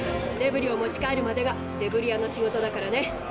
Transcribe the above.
デブリを持ち帰るまでがデブリ屋の仕事だからね。